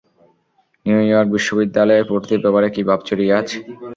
New York বিশ্ববিদ্যালয়ের ভর্তির ব্যাপারে কি ভাবছ, রিয়াজ?